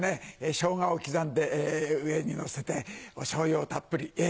ショウガを刻んで上にのせておしょうゆをたっぷり。